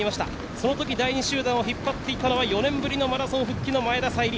その時、第２集団を引っ張っていたのが４年ぶりのマラソン復帰の前田彩里。